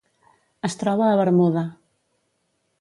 Es troba a Bermuda.